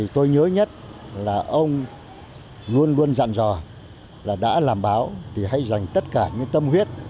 tôi nhớ nhất là ông luôn luôn dặn dò là đã làm báo thì hãy dành tất cả những tâm huyết